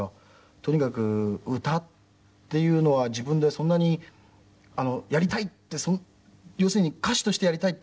とにかく歌っていうのは自分でそんなにやりたい！って要するに歌手としてやりたいって